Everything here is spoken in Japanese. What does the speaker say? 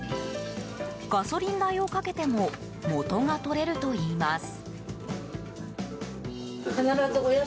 ガソリン代をかけても元が取れるといいます。